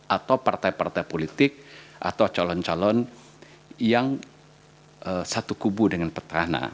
atau partai partai politik atau calon calon yang satu kubu dengan petahana